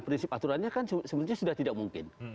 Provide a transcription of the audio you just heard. prinsip aturannya kan sebetulnya sudah tidak mungkin